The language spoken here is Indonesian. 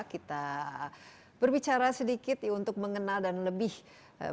kita berbicara sedikit untuk mengenal dan lebih mengapresiasi layang